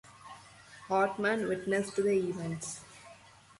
Hartmann witnessed the events.